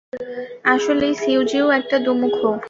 আসলেই, সিউ জিউ একটা দুমুখো।